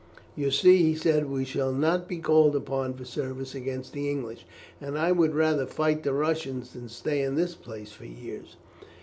"You see," he said, "we shall not be called upon for service against the English, and I would rather fight the Russians than stay in this place for years."